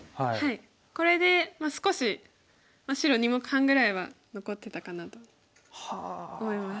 これで少し白２目半ぐらいは残ってたかなと思います。